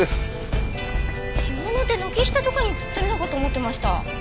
干物って軒下とかに吊ってるのかと思ってました。